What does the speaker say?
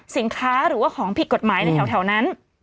สินค้าหรือว่าของผิดกฎหมายในแถวนั้น